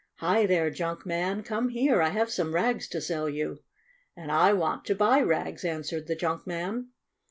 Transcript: "Hi there, junk man ! Come here ! I have some rags to sell you!" "And I want to buy rags," answered the junk man.